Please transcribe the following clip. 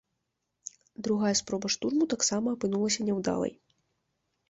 Другая спроба штурму таксама апынулася няўдалай.